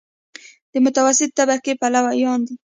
د متوسطې طبقې پلوی دی.